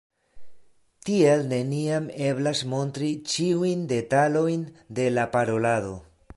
Tiel neniam eblas montri ĉiujn detalojn de la parolado.